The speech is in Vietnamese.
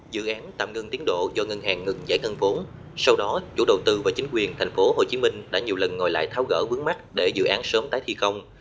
dự án tạm ngưng tiến độ do ngân hàng ngừng giải ngân vốn sau đó chủ đầu tư và chính quyền tp hcm đã nhiều lần ngồi lại tháo gỡ vướng mắt để dự án sớm tái thi công